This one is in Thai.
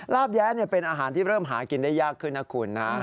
ลาบแย้เป็นอาหารที่เริ่มหากินได้ยากขึ้นนะคุณนะ